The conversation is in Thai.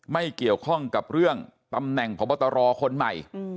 ไม่เกี่ยวข้องกับเรื่องตำแหน่งพบตรคนใหม่